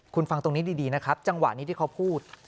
คุณฟังตรงนี้ดีนะครับจังหวะนี้ที่เขาพูด